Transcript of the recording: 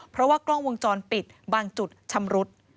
เพราะว่ากล้องวงจรปิดบางจุดชำรุด